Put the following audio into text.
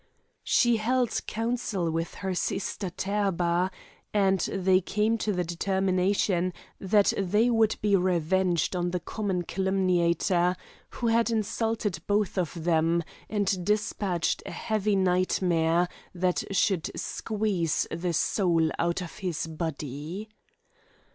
She held counsel with her sister Therba, and they came to the determination that they would be revenged on the common calumniator, who had insulted both of them, and despatched a heavy nightmare, that should squeeze the soul out of his body.